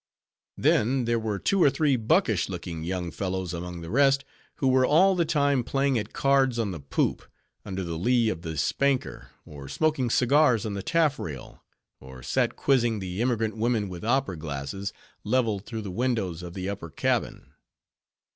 Then there were two or three buckish looking young fellows, among the rest; who were all the time playing at cards on the poop, under the lee of the spanker; or smoking cigars on the taffrail; or sat quizzing the emigrant women with opera glasses, leveled through the windows of the upper cabin.